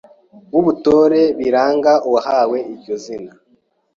w’ubutore biranga uwahawe iryo zina.